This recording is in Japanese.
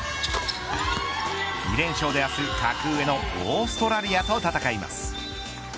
２連勝で明日、格上のオーストラリアと戦います。